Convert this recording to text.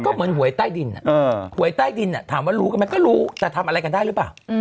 ก็เหมือนหวยใต้ดินหวยใต้ดินถามว่ารู้กันไหมก็รู้แต่ทำอะไรกันได้หรือเปล่า